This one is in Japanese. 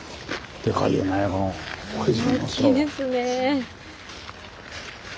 大きいですね。